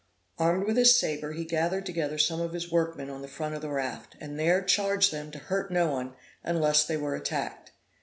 Armed with his sabre, he gathered together some of his workmen on the front of the raft, and there charged them to hurt no one, unless they were attacked.